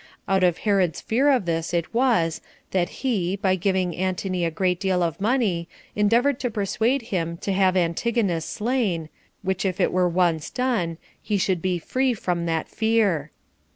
Out of Herod's fear of this it was that he, by giving Antony a great deal of money, endeavored to persuade him to have Antigonus slain, which if it were once done, he should be free from that fear.